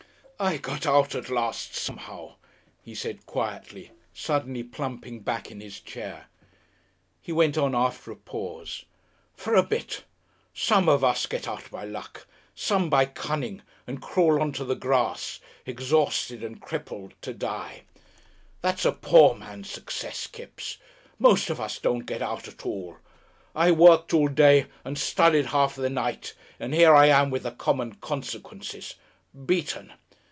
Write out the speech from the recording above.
"I got out at last somehow," he said, quietly, suddenly plumping back in his chair. He went on after a pause. "For a bit. Some of us get out by luck, some by cunning, and crawl on to the grass, exhausted and crippled to die. That's a poor man's success, Kipps. Most of us don't get out at all. I worked all day and studied half the night, and here I am with the common consequences. Beaten!